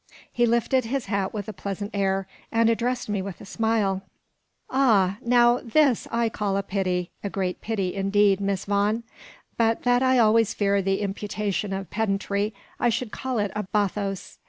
He lifted his hat with a pleasant air, and addressed me with a smile, "Ah! now, this I call a pity, a great pity, indeed, Miss Vaughan; but that I always fear the imputation of pedantry, I should call it a bathos.